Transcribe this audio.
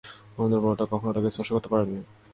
কোন দুর্বলতা কখনও তাঁকে স্পর্শ করতে পারেনি।